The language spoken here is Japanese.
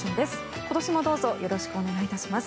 今年もどうぞよろしくお願いします。